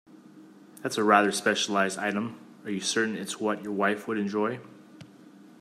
That's a rather specialised item, are you certain it's what your wife would enjoy?